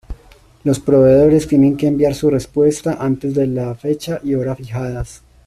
Los proveedores tienen que enviar su respuesta antes de la fecha y hora fijadas.